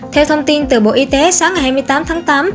theo thông tin từ bộ y tế sáng hai mươi tám tháng tám